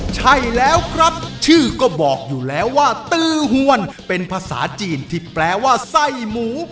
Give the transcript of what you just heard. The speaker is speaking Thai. ใช่แล้วครับชื่อก็บอกอยู่แล้วว่าตือหวนเป็นภาษาจีนที่แปลว่าไส้หมู